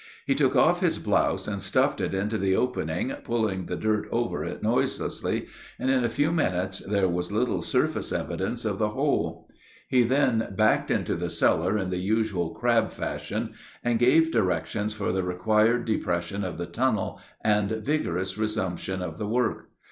He took off his blouse and stuffed it into the opening, pulling the dirt over it noiselessly, and in a few minutes there was little surface evidence of the hole. He then backed into the cellar in the usual crab fashion, and gave directions for the required depression of the tunnel and vigorous resumption of the work.